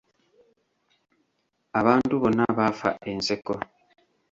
Abantu bonna baafa enseko.